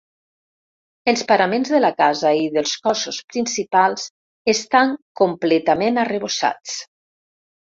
Els paraments de la casa i dels cossos principals estan completament arrebossats.